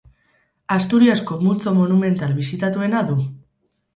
Asturiasko multzo monumental bisitatuena du.